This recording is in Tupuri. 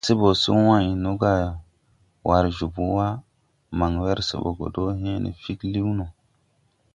Saʼ se bɔ se wãy nɔga war jobo wa, man wɛr sɛ bɔ gɔ do hęęne figliwn no.